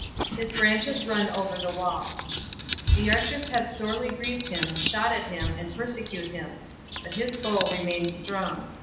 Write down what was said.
His branches run over the wall. 049:023 The archers have sorely grieved him, shot at him, and persecute him: 049:024 But his bow remained strong.